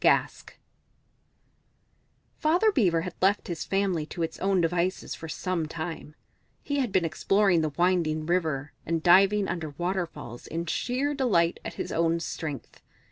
Gask Father Beaver had left his family to its own devices for some time; he had been exploring the winding river, and diving under waterfalls in sheer delight at his own strength.